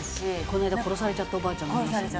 この間殺されちゃったおばあちゃんもいますよね。